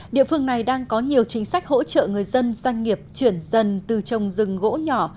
địa phương này đang có nhiều chính sách hỗ trợ người dân doanh nghiệp chuyển dần từ trồng rừng gỗ nhỏ